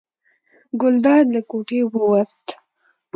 ګلداد له کوټې ووت.